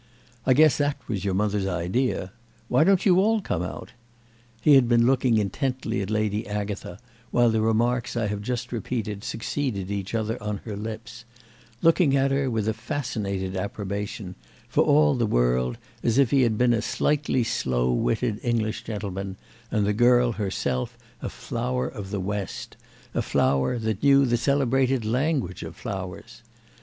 "I guess that was your mother's idea. Why don't you all come out?" He had been looking intently at Lady Agatha while the remarks I have just repeated succeeded each other on her lips—looking at her with a fascinated approbation, for all the world as if he had been a slightly slow witted English gentleman and the girl herself a flower of the West, a flower that knew the celebrated language of flowers.